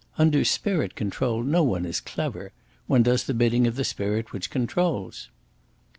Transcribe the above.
"Under spirit control no one is clever. One does the bidding of the spirit which controls."